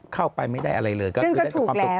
เข้าไปไม่ได้อะไรเลยซึ่งก็ถูกแล้ว